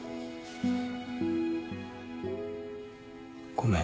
ごめん